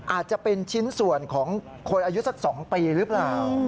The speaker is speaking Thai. อาจจะเป็นชิ้นส่วนของคนอายุสัก๒ปีหรือเปล่า